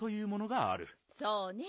そうね。